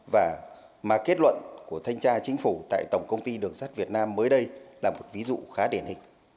và mà kết luận của thanh tra chính phủ tại tổng công ty đường sát việt nam mới đây là một ví dụ khá đền hình